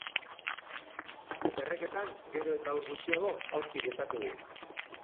Erreketan gero eta ur gutxiago aurki dezakegu.